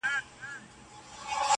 • ليري له بلا سومه، چي ستا سومه.